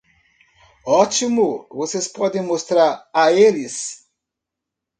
Ótimo, você pode mostrar a eles?